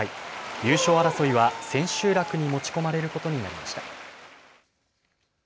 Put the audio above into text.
優勝争いは千秋楽に持ち込まれることになりました。